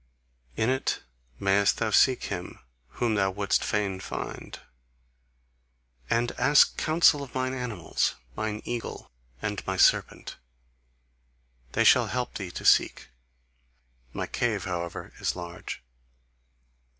In it mayest thou seek him whom thou wouldst fain find. And ask counsel of mine animals, mine eagle and my serpent: they shall help thee to seek. My cave however is large.